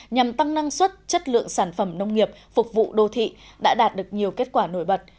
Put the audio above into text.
nhằm tăng năng suất chất lượng sản phẩm nông nghiệp phục vụ đô thị đã đạt được nhiều kết quả nổi bật